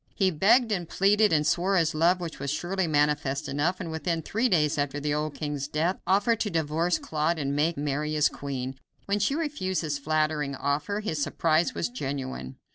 He begged and pleaded and swore his love, which was surely manifest enough, and within three days after the old king's death offered to divorce Claude and make Mary his queen. When she refused this flattering offer his surprise was genuine.